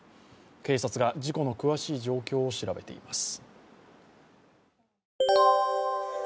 警察が事故の詳しい状況を調べています。